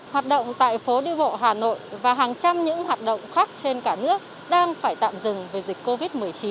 hoạt động tại phố đi bộ hà nội và hàng trăm những hoạt động khác trên cả nước đang phải tạm dừng vì dịch covid một mươi chín